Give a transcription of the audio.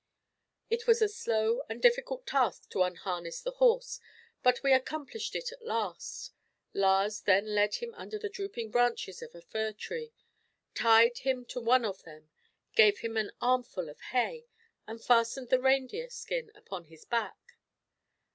It was a slow and difficult task to unharness the horse, but we accomplished it at last. Lars then led him under the drooping branches of a fir tree, tied him to one of them, gave him an armful of hay, and fastened the reindeer skin upon his back.